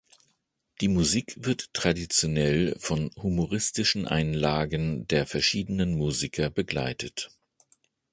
Die Musik wird traditionell von humoristischen Einlagen der verschiedenen Musiker begleitet.